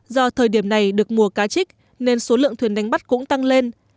do thời điểm này được mùa cá trích nên số lượng thuyền đánh bắt cũng tăng lên